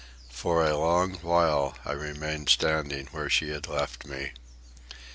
For a long while I remained standing where she had left me.